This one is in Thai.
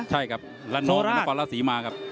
ใช่ครับนครราชศรีมาครับ